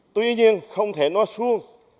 tuy nhiên không thể nói xuống